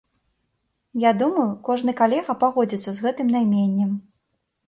Я думаю, кожны калега пагодзіцца з гэтым найменнем.